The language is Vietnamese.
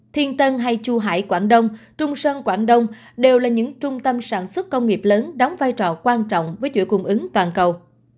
thiên tân hay chu hải quảng đông trung sơn quảng đông đều là những trung tâm sản xuất công nghiệp lớn đóng vai trò quan trọng với chuỗi cung ứng toàn cầu